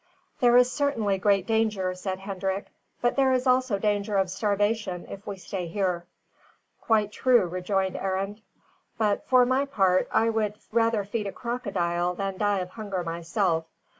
"There is certainly great danger," said Hendrik; "but there is also danger of starvation if we stay here." "Quite true," rejoined Arend. "But for my part, I would rather feed a crocodile than die of hunger myself.